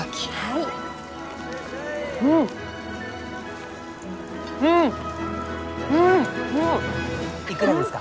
いくらですか？